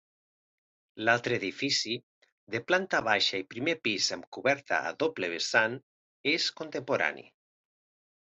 L'altre edifici, de planta baixa i primer pis amb coberta a doble vessant, és contemporani.